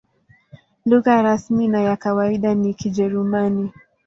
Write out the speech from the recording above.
Lugha rasmi na ya kawaida ni Kijerumani.